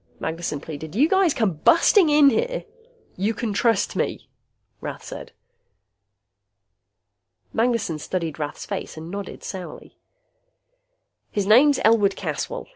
Magnessen pleaded. "You guys come busting in here " "You can trust me," Rath said. Magnessen studied Rath's face and nodded sourly. "His name's Elwood Caswell.